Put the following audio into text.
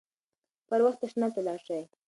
پر وخت تشناب ته لاړ شئ.